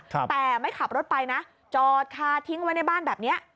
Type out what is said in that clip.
แต่ไม่ขับรถไปนะจอดคาทิ้งไว้ในบ้านแบบเนี้ย